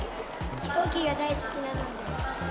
飛行機が大好きなので。